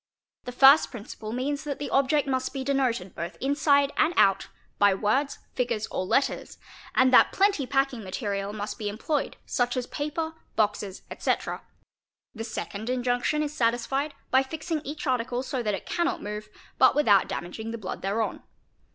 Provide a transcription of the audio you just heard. The first principle means that the object must be denoted both inside and — out by words, figures, or letters, and that plenty packing material must be employed such as paper, boxes, etc. The second injunction is satis fied by fixing each article so that it cannot move, but without damaging the blood thereon.